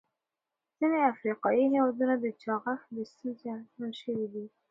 ځینې افریقایي هېوادونه د چاغښت له ستونزې اغېزمن شوي دي.